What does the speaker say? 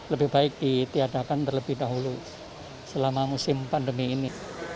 lebih baik ditiadakan terlebih dahulu selama musim pandemi ini